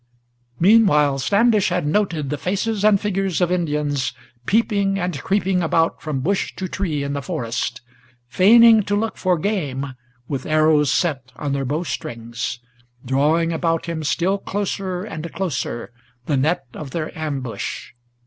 Meanwhile Standish had noted the faces and figures of Indians Peeping and creeping about from bush to tree in the forest, Feigning to look for game, with arrows set on their bow strings, Drawing about him still closer and closer the net of their ambush.